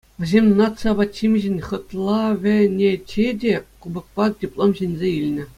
Вӗсем наци апат-ҫимӗҫӗн хӑтлавӗнече те кубокпа диплом ҫӗнсе илнӗ.